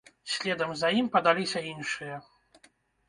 Следам за ім падаліся іншыя.